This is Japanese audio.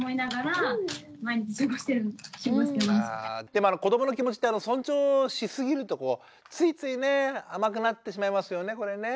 でも子どもの気持ちって尊重しすぎるとついついね甘くなってしまいますよねこれね。